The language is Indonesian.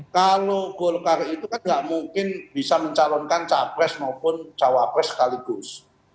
kalau golkar itu kan nggak mungkin bisa mencalonkan capres maupun cawapres sekaligus